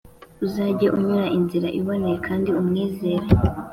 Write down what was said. uzajye unyura inzira iboneye kandi umwizere